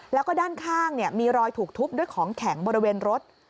แล้วก็ด้านข้างมีรอยถูกทุบด้วยของแข็งบริเวณรถ